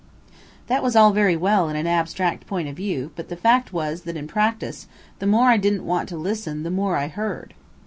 That was all very well in an abstract point of view; but the fact was, that in practice, the more I didn't want to listen, the more I heard.